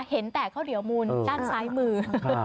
เห็นแต่ข้าวเหนียวมูลด้านซ้ายมือ